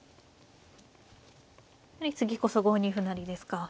やはり次こそ５二歩成ですか。